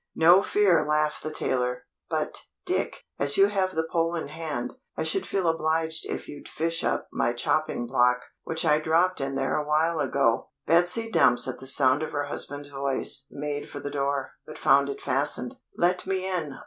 "No fear," laughed the tailor. "But, Dick, as you have the pole in hand, I should feel obliged if you'd fish up my chopping block which I dropped in there awhile ago!" Betsy Dumps at the sound of her husband's voice, made for the door, but found it fastened. "Let me in!